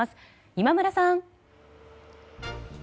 今村さん。